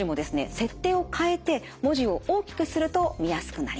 設定を変えて文字を大きくすると見やすくなります。